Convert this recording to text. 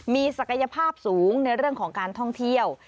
มีศักยภาพสูงในเรื่องของการท่องเที่ยว